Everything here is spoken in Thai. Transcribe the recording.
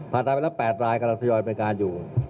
ผ่าตัดไปแล้ว๘รายกำลังทยอยบรรยาการอยู่